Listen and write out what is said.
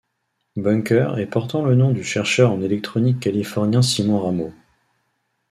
Bunker et portant le nom du chercheur en électronique californien Simon Ramo.